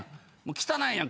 汚いやん。